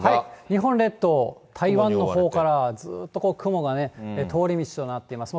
日本列島、台湾のほうからずっとこう、雲がね、通り道となっています。